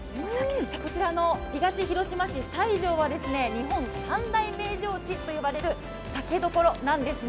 こちら東広島市は日本三大銘醸地と呼ばれる酒どころなんですね。